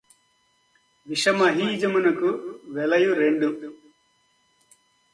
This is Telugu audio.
విషమహీజమునకు వెలయు రెండు